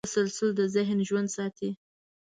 تسلسل د ذهن ژوند ساتي.